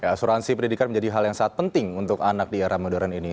asuransi pendidikan menjadi hal yang sangat penting untuk anak di era modern ini